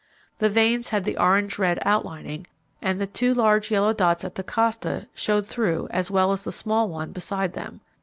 The veins had the orange red outlining, and the two large yellow dots at the costa showed through as well as the small one beside them.